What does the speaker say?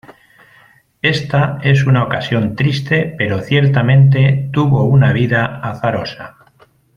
Ésta es una ocasión triste, pero ciertamente tuvo una vida azarosa.